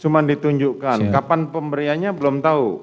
cuma ditunjukkan kapan pemberiannya belum tahu